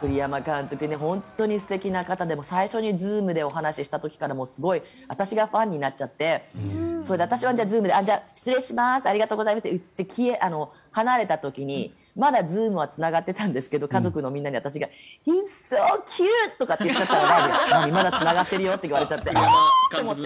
栗山監督は本当に素敵な方で最初にＺｏｏｍでお話しした時からすごい私がファンになっちゃって私はＺｏｏｍで失礼しますって言って離れた時に、まだＺｏｏｍはつながっていたんですけど家族のみんなに私がイッツ・ソー・キュートって言ってまだつながってるよって言われてああ！と思って。